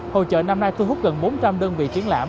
hội trợ năm nay thu hút gần bốn trăm linh đơn vị triển lãm